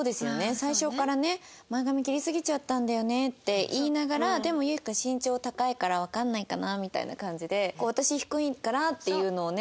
最初からね前髪切りすぎちゃったんだよねって言いながらでもユウキ君身長高いからわからないかなみたいな感じで私低いからっていうのをね